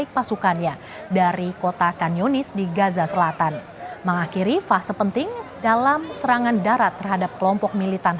ibu saya berhenti dan anak anak saya berhenti